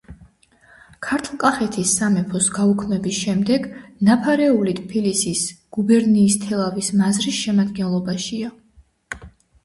ქართლ-კახეთის სამეფოს გაუქმების შემდეგ, ნაფარეული ტფილისის გუბერნიის თელავის მაზრის შემადგენლობაშია.